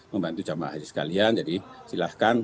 membantu jamaah haji sekalian jadi silahkan